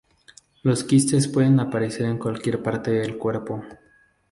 Los quistes pueden aparecer en cualquier parte del cuerpo.